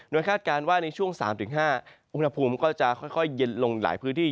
โดยคาดการณ์ว่าในช่วง๓๕อุณหภูมิก็จะค่อยเย็นลงหลายพื้นที่